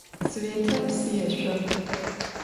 Svêta psı yêşso.